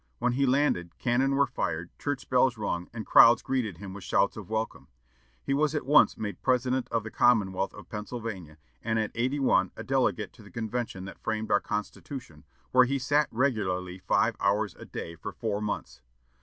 When he landed, cannon were fired, church bells rung, and crowds greeted him with shouts of welcome. He was at once made President of the Commonwealth of Pennsylvania, and at eighty one a delegate to the convention that framed our Constitution, where he sat regularly five hours a day for four months.